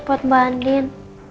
buat mbak andin